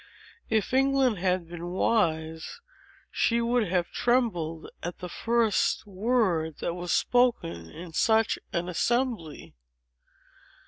If England had been wise, she would have trembled at the first word that was spoken in such an assembly!"